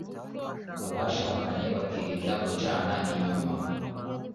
abashakanye bakirinda gucana inyuma.